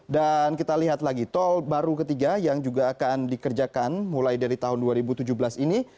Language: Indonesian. kita lihat lagi tol baru ketiga yang juga akan dikerjakan mulai dari tahun dua ribu tujuh belas ini